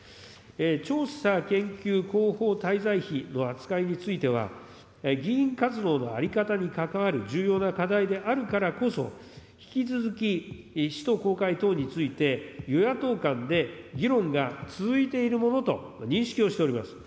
調査研究広報滞在費の扱いについては、議員活動の在り方にかかわる重要な課題であるからこそ、引き続き使途公開等について、与野党間で議論が続いているものと認識をしております。